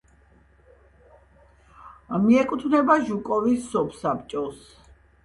მიეკუთვნება ჟუკოვის სოფსაბჭოს.